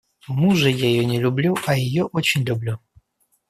Мужа ее я не люблю, а ее очень люблю.